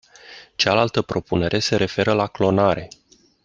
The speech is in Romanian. Cealaltă propunere se referă la clonare.